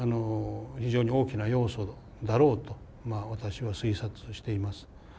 非常に大きな要素だろうと私は推察しています。